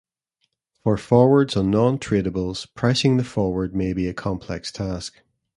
For forwards on non-tradeables, pricing the forward may be a complex task.